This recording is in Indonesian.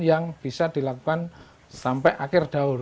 yang bisa dilakukan sampai akhir daur